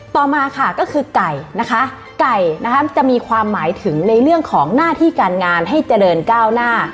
ต่อมาค่ะก็คือไก่นะคะไก่นะคะจะมีความหมายถึงในเรื่องของหน้าที่การงานให้เจริญก้าวหน้า